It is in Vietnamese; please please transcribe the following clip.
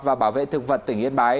và bảo vệ thực vật tỉnh yên bái